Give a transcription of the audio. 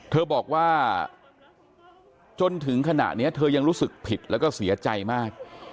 เธอบอกว่าจนถึงขณะนี้เธอยังรู้สึกผิดแล้วก็เสียใจมาก